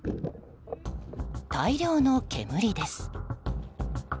大量の煙です。